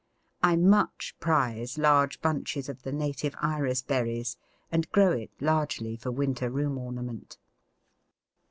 I much prize large bunches of the native Iris berries, and grow it largely for winter room ornament.